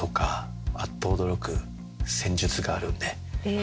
え！